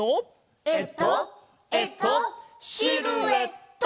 えっとえっとシルエット！